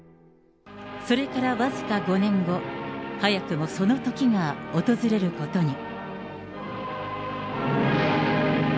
それから僅か５年後、早くもその時が訪れることに。